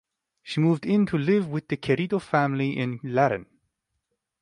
She moved in to live with the Querido family in Laren.